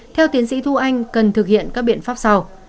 theo tiến sĩ thu anh cần thực hiện các biện pháp sau